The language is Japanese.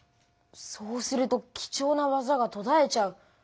そうするとき重な技がとだえちゃう。